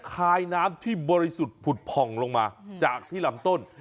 คายน้ำที่บริสุทธิ์ผุดผ่องลงมาจากที่ลำต้น